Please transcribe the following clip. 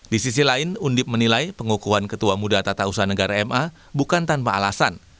di sisi lain undip menilai pengukuhan ketua muda tata usaha negara ma bukan tanpa alasan